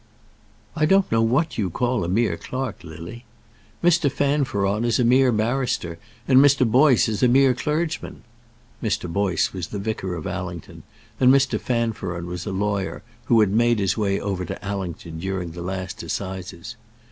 "I don't know what you call a mere clerk, Lily. Mr. Fanfaron is a mere barrister, and Mr. Boyce is a mere clergyman." Mr. Boyce was the vicar of Allington, and Mr. Fanfaron was a lawyer who had made his way over to Allington during the last assizes.